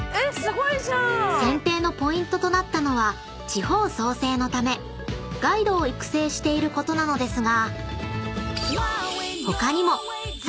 ［選定のポイントとなったのは地方創生のためガイドを育成していることなのですが］